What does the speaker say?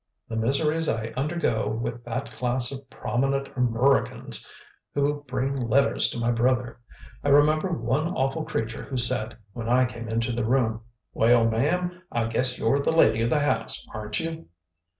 "The miseries I undergo with that class of 'prominent Amurricans' who bring letters to my brother! I remember one awful creature who said, when I came into the room, 'Well, ma'am, I guess you're the lady of the house, aren't you?'"